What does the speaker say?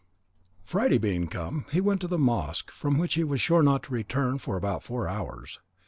Friday being come, he went to the mosque, from which he was sure not to return for about four hours.